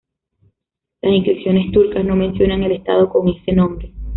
Las inscripciones turcas no mencionan el estado con ese nombre.